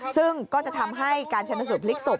ซึ่งก็จะทำให้การชนสูตรพลิกศพ